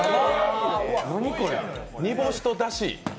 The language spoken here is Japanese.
煮干しとだし？